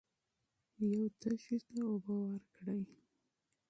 یو تږي ته اوبه ورکړئ.